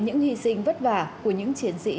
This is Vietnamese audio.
những hy sinh vất vả của những chiến sĩ